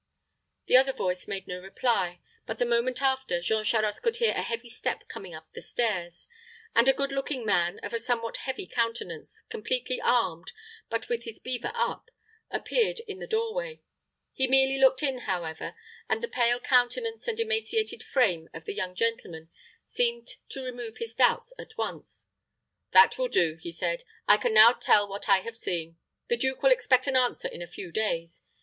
The other voice made no reply, but the moment after Jean Charost could hear a heavy step coming up the stairs, and a good looking man, of a somewhat heavy countenance, completely armed, but with his beaver up, appeared in the doorway. He merely looked in, however, and the pale countenance and emaciated frame of the young gentleman seemed to remove his doubts at once. "That will do," he said. "I can now tell what I have seen. The duke will expect an answer in a few days.